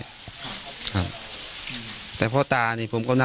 การแก้เคล็ดบางอย่างแค่นั้นเอง